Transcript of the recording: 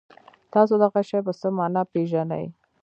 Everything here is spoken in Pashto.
تاسو دغه شی په څه نامه پيژنی؟